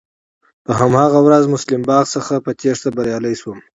په هماغه ورځ مسلم باغ څخه په تېښته بريالی شوم.